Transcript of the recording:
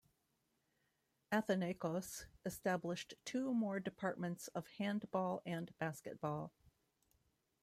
Athinaikos established two more departments of Handball and Basketball.